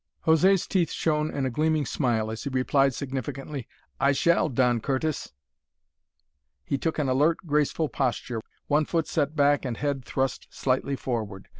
José's teeth shone in a gleaming smile as he replied significantly, "I shall, Don Curtis!" He took an alert, graceful posture, one foot set back and head thrust slightly forward.